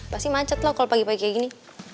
pasti manjat loh kalau pagi pagi kayak gini